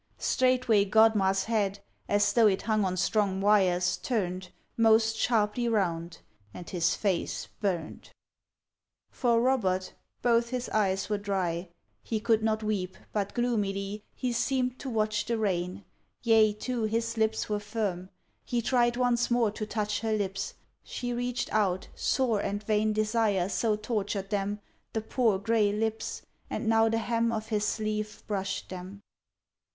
Straightway Godmar's head, As though it hung on strong wires, turn'd Most sharply round, and his face burn'd. For Robert, both his eyes were dry, He could not weep, but gloomily He seem'd to watch the rain; yea, too, His lips were firm; he tried once more To touch her lips; she reached out, sore And vain desire so tortured them, The poor grey lips, and now the hem Of his sleeve brush'd them.